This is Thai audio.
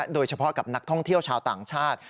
โดยเฉพาะกับนักท่องเที่ยวชาวต่างชาติ